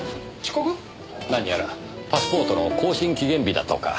何やらパスポートの更新期限日だとか。